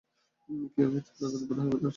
কেউ কেউ তীব্র ব্যথাও সহ্য করতে পারে।